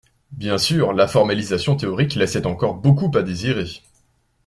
Bien sûr, la formalisation théorique laissait encore beaucoup à désirer.